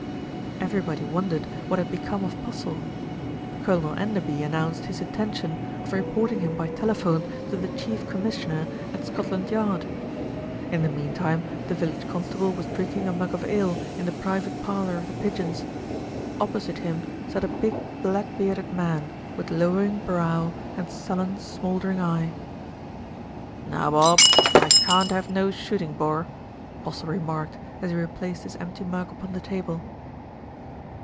Everybody wondered what had become of Postle. Colonel Enderby announced his intention of reporting him by telephone to the Chief Commissioner at Scot land Yard. In the meantime, the village constable was drinking a mug of ale in the private parlour of The Pigeons. Opposite him sat a big black bearded man, with lower ing brow and sullen, smouldering eye. "Now, Bob, I can't have no shooting, bor," Postle remarked, as he replaced his empty mug upon the table.